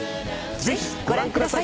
ぜひご覧ください。